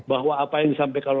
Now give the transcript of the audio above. bahwa apa yang disampaikan